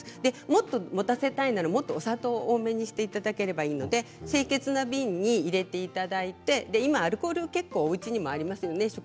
もっともたせたいなら砂糖を多めにしていただければいいので清潔な瓶に入れていただいて今アルコールは結構おうちにもありますよね。